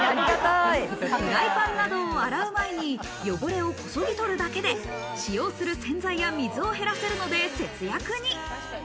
フライパンなどを洗う前に汚れをこそぎ取るだけで、使用する洗剤や水を減らせるので節約に。